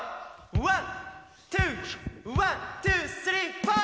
ワントゥーワントゥースリーフォー！